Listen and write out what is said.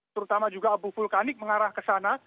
terutama juga abu vulkanik mengarah ke sana